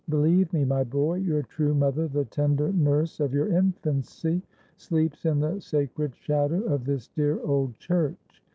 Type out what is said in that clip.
Believe me, my boy, your true mother, the tender nurse of your infancy, sleeps in the sacred shadow of this dear old church.